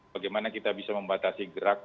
bagaimana kita bisa membatasi gerak